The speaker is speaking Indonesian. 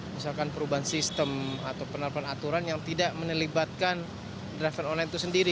misalkan perubahan sistem atau penerapan aturan yang tidak menelibatkan driver online itu sendiri